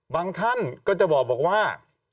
ท่านก็จะบอกว่า